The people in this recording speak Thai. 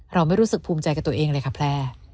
เราไม่รู้สึกภูมิใจกับตัวเองเลยค่ะแพร่